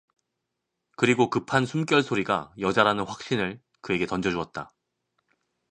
그리고 급한 숨결소리가 여자라는 확신을 그에게 던져 주었다.